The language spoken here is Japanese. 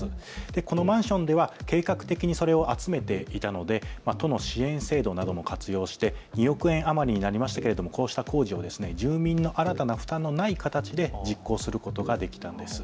このマンションでは計画的に集めていたので都の支援制度なども活用して２億円余りになりましたがこうした工事を住民の新たな負担のない形で実行することができました。